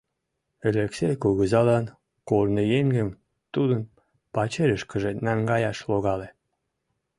Элексей кугызалан корныеҥым тудын пачерышкыже наҥгаяш логале.